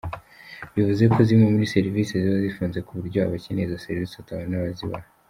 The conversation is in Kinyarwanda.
Bivuze ko zimwe muri serivisi ziba zifunze ku buryo abakeneye izo serivisi batabona abazibaha.